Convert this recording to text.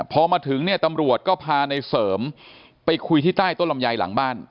พอมาถึงเนี่ยตำรวจก็พาในเสริมไปคุยที่ใต้ต้นลำไยหลังบ้าน